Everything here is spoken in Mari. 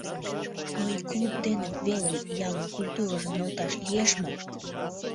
Но ик клуб дене веле ялын культурыжым нӧлташ лиеш мо?